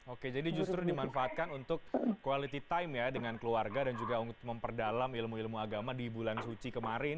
oke jadi justru dimanfaatkan untuk quality time ya dengan keluarga dan juga memperdalam ilmu ilmu agama di bulan suci kemarin